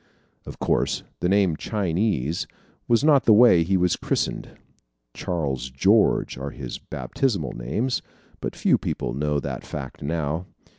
Of course, the name "Chinese," was not the way he was christened. "Charles George" are his baptismal names but few people know that fact now.